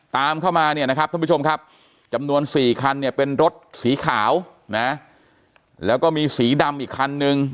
ตามเข้ามาจำนวน๔คันเป็นรถสีขาวแล้วก็มีสีดำอีกคันนึง